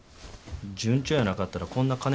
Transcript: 順調やなかったらこんな金回りのええ